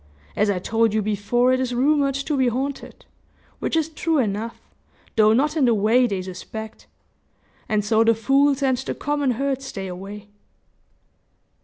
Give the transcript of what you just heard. As I told you before, it is rumored to be haunted, which is true enough, though not in the way they suspect; and so the fools and the common herd stay away."